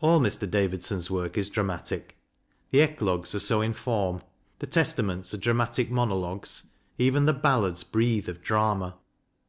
All Mr. Davidson's work is dramatic; the eclogues are so in form ; the testaments are dramatic monologues; even the ballads breathe of drama.